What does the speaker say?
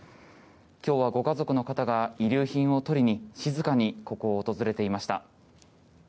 今日はご家族の方が遺留品を取りに静かにここを訪れていました。